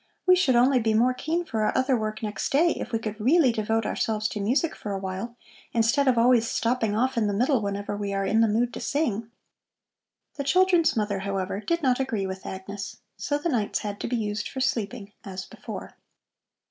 "We should only be more keen for our other work next day, if we could really devote ourselves to music for a while, instead of always stopping off in the middle whenever we are in the mood to sing." The children's mother, however, did not agree with Agnes, so the nights had to be used for sleeping as before.